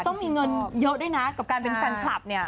ต้องมีเงินเยอะด้วยนะกับการเป็นแฟนคลับเนี่ย